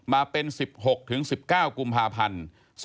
มาเป็น๑๖ถึง๑๙กุมภาพันธ์๒๕๖๒